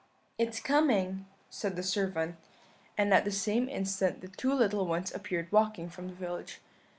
"'It's coming,' said the servant; and at the same instant the two little ones appeared walking from the village.